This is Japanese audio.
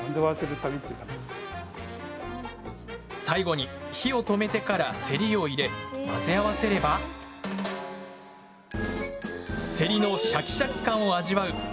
最後に火を止めてからせりを入れ混ぜ合わせればせりのシャキシャキ感を味わう